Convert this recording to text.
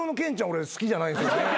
俺好きじゃないんですよね。